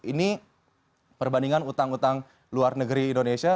ini perbandingan utang utang luar negeri indonesia